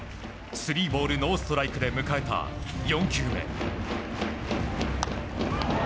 スリーボール、ノーストライクで迎えた４球目。